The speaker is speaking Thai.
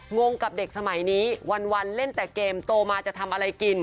งงกับเด็กสมัยนี้วันเล่นแต่เกมโตมาจะทำอะไรกิน